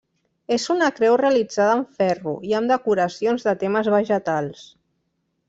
És una creu realitzada amb ferro i amb decoracions de temes vegetals.